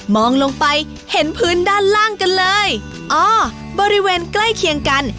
ลงไปเห็นพื้นด้านล่างกันเลยอ๋อบริเวณใกล้เคียงกัน